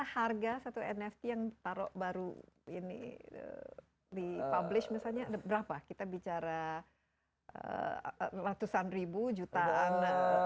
harga satu nft yang ditaruh baru ini di publish misalnya ada berapa kita bicara ratusan ribu jutaan